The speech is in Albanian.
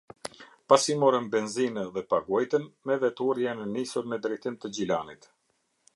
Pasi morën benzinë dhe paguajtën, me veturë janë nisur në drejtim të Gjilanit.